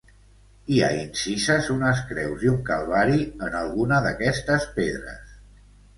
Hi ha incises unes creus i un calvari, en alguna d'aquestes pedres.